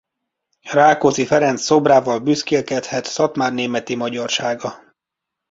Rákóczi Ferenc szobrával büszkélkedhet Szatmárnémeti magyarsága.